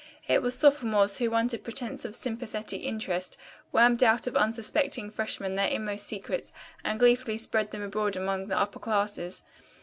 It was sophomores who under pretense of sympathetic interest wormed out of unsuspecting freshmen their inmost secrets and gleefully spread them abroad among the upper classes.